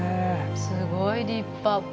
すごい立派。